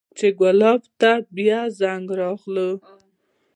چې ګلاب ته بيا زنګ راغى.